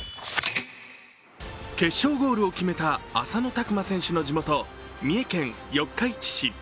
決勝ゴールを決めた浅野拓磨選手の地元、三重県四日市市。